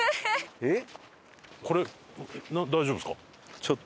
えっ？